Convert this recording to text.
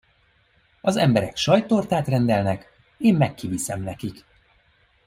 Az emberek sajttortát rendelnek, én meg kiviszem nekik.